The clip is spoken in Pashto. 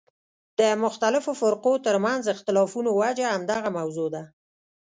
د مختلفو فرقو ترمنځ اختلافونو وجه همدغه موضوع ده.